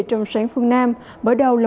trong sáng phương nam bởi đầu là